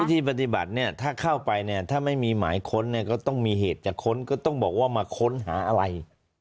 ที่ปฏิบัติเนี่ยถ้าเข้าไปเนี่ยถ้าไม่มีหมายค้นเนี่ยก็ต้องมีเหตุจะค้นก็ต้องบอกว่ามาค้นหาอะไร